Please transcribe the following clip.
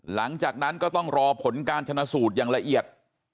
หลังจากนั้นก็ต้องรอผลการชนะสูตรอย่างละเอียด